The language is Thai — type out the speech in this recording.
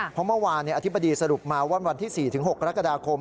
เพราะเมื่อวานอธิบดีสรุปมาว่าวันที่๔๖กรกฎาคม